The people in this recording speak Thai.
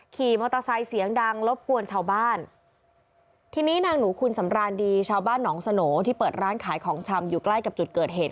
ขี่มอเตอร์ไซค์เสียงดังรบกวนชาวบ้านทีนี้นางหนูคุณสำรานดีชาวบ้านหนองสโหน่ที่เปิดร้านขายของชำอยู่ใกล้กับจุดเกิดเหตุ